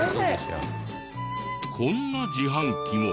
こんな自販機も。